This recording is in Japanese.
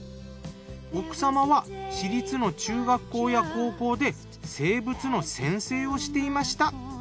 奥様は私立の中学校や高校で生物の先生をしていました。